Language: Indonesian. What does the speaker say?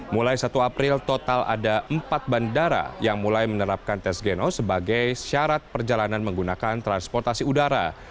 mulai satu april total ada empat bandara yang mulai menerapkan tes genos sebagai syarat perjalanan menggunakan transportasi udara